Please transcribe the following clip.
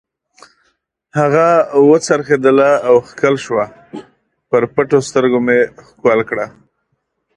هغه و څرخېدله او ښکل شوه، پر پټو سترګو مې ښکل کړه.